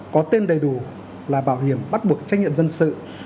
có tên đầy đủ là bảo hiểm bắt buộc trách nhiệm dân sự